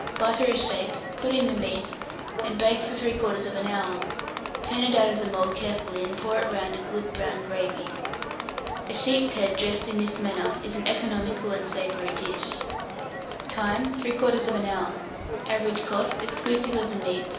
Butter a shape, put in the meat, and hake for 3/4 hour; turn it out of the mould carefully, and pour round it a good brown gravy. A sheep's head dressed in this manner is an economical and savoury dish. Time. 3/4 hour. Average cost, exclusive of the meat, 6d.